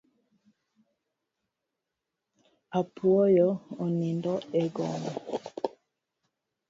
Apuoyo onindo e gono.